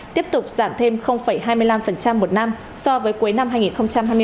tiếp tục giảm thêm hai mươi năm một năm so với cuối năm hai nghìn hai mươi ba